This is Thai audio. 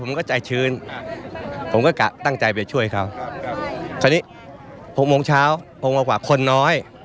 มันก็ใจชื้นผมก็กะตั้งใจไปช่วยเขาคราวนี้๖โมงเช้า๖โมงกว่าคนน้อย